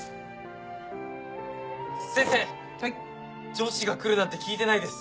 女子が来るなんて聞いてないです。